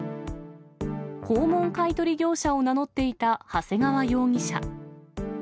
訪問買い取り業者を名乗っていた長谷川容疑者。